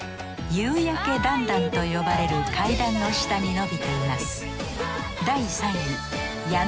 夕やけだんだんと呼ばれる階段の下に伸びています